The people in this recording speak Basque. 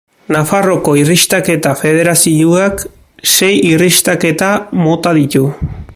Nafarroako irristaketa federazioak sei irristaketa mota ditu.